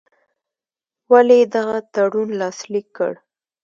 ولي یې دغه تړون لاسلیک کړ.